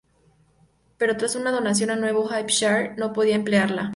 Pero tras una donación a Nuevo Hampshire, no podrá emplearla.